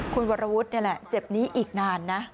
คุณวรวุฒินี่แหละเจ็บนี้อีกนานนะ